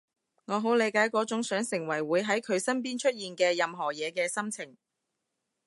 我好理解嗰種想成為會喺佢身邊出現嘅任何嘢嘅心情